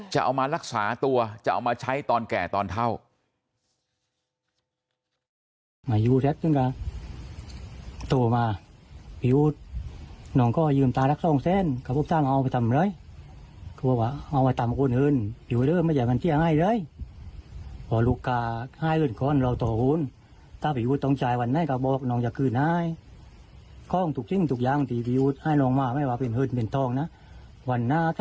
จะเอามารักษาตัวจะเอามาใช้ตอนแก่ตอนเท่า